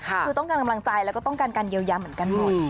คือต้องการกำลังใจแล้วก็ต้องการการเยียวยาเหมือนกันหมด